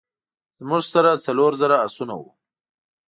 زموږ سره څلور زره آسونه وه.